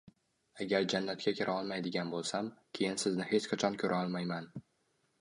Agar jannatga kira olmaydigan bo‘lsam, keyin sizni hech qachon ko‘ra olmayman